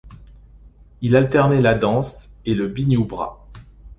Il alternait la danse et le binioù-bras.